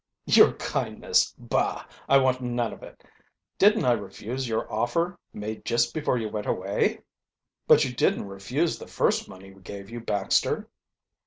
"Your kindness? Bah! I want none of it. Didn't I refuse your offer, made just before you went away?" "But you didn't refuse the first money we gave you, Baxter."